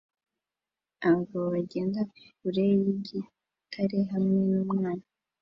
Abagabo bagenda kure yigitare hamwe numwana